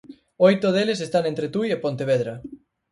Oito deles están entre Tui e Pontevedra.